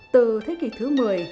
từ thế kỷ thứ một mươi